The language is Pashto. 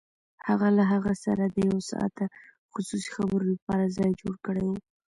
هغه له هغه سره د يو ساعته خصوصي خبرو لپاره ځای جوړ کړی و.